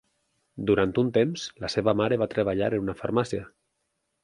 Durant un temps, la seva mare va treballar en una farmàcia.